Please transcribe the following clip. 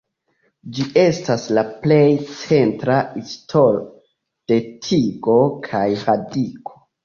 Ĝi estas la plej centra histo de tigo kaj radiko.